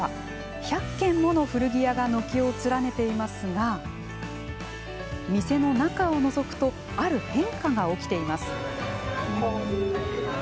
１００軒もの古着屋が軒を連ねていますが店の中をのぞくとある変化が起きています。